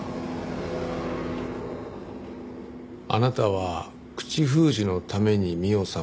あなたは口封じのために美緒さんを殺した。